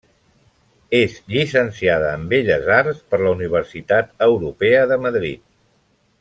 És llicenciada en Belles arts per la Universitat Europea de Madrid.